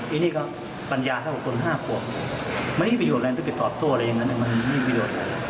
อันนี้ก็ปัญญาเท่ากับคน๕คนไม่ได้ไปโดดอะไรไม่ได้ไปตอบโต้อะไรอย่างนั้นไม่ได้ไปโดด